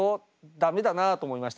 駄目だな」と思いました。